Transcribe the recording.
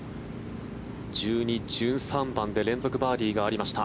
１２、１３番で連続バーディーがありました。